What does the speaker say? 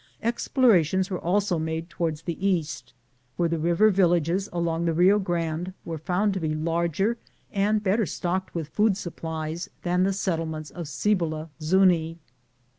Explorations were also made toward the east, where the river villages along the Bio Grande were found to be larger and better stocked with food supplies than the settlements at Cibola Zufii.